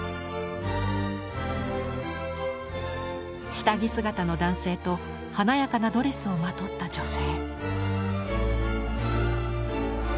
下着姿の男性と華やかなドレスをまとった女性。